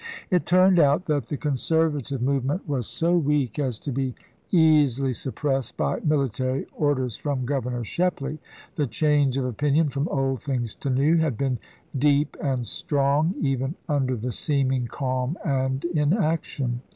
It turned out that the conservative movement was so weak as to be easily suppressed by military orders from Governor Shepley ; the change of opinion from old things to new had been deep and strong even under the seeming calm and inaction.